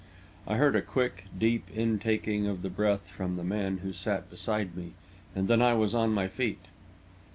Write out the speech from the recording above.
I heard a quick, deep intaking of the breath from the man who sat beside me, and then I was on my feet.